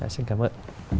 xin cảm ơn